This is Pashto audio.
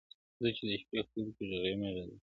o زه چي د شپې خوب كي ږغېږمه دا.